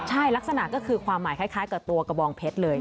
ใช่ลักษณะก็คือความหมายคล้ายกับตัวกระบองเพชรเลย